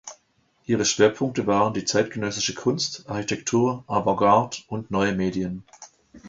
Ihre Schwerpunkte waren die zeitgenössische Kunst, Architektur, Avantgarde und neue Medien.